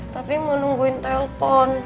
tapi mau nungguin telepon